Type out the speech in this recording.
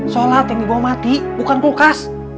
sholat yang dibawa mati bukan kulkas